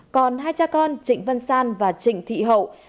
còn hai cha con trịnh văn san và trịnh thị hậu